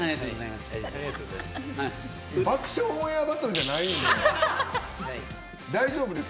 「爆笑オンエアバトル」じゃないんで。